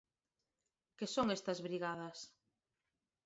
Que son estas Brigadas?